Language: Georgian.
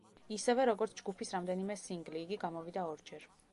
ისევე, როგორც ჯგუფის რამდენიმე სინგლი, იგი გამოვიდა ორჯერ.